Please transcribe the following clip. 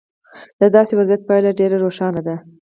د داسې وضعیت پایله ډېره روښانه ده.